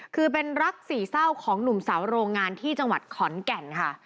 คือเป็นรักสี่เศร้าของหนุ่มสาวโรงงานที่จังหวัดขอนแก่นค่ะ